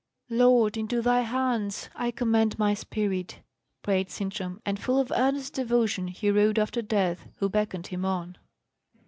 "Lord, into Thy hands I commend my spirit!" prayed Sintram; and full of earnest devotion he rode after Death, who beckoned him on.